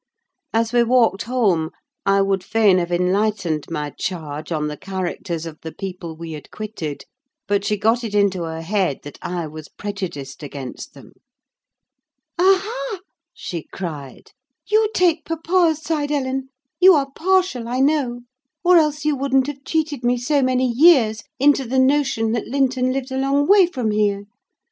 As we walked home, I would fain have enlightened my charge on the characters of the people we had quitted: but she got it into her head that I was prejudiced against them. "Aha!" she cried, "you take papa's side, Ellen: you are partial I know; or else you wouldn't have cheated me so many years into the notion that Linton lived a long way from here.